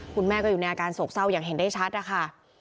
คุณแม่ก็อยู่ในอาการโศกเศร้าอย่างเห็นได้ชัดนะคะ